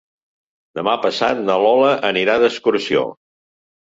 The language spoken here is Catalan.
Demà passat na Lola anirà d'excursió.